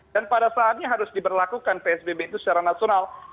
dan pada saatnya harus diberlakukan psbb itu secara nasional